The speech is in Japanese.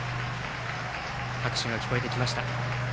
拍手が聞こえてきました。